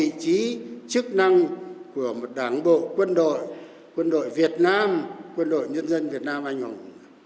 và đồng chí chức năng của một đảng bộ quân đội quân đội việt nam quân đội nhân dân việt nam anh hùng